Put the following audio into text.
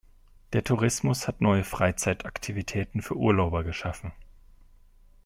Der Tourismus hat neue Freizeitaktivitäten für Urlauber geschaffen.